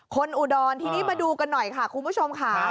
อุดรทีนี้มาดูกันหน่อยค่ะคุณผู้ชมค่ะ